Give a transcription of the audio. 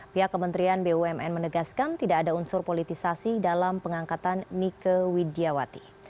pihak kementerian bumn menegaskan tidak ada unsur politisasi dalam pengangkatan nike widjawati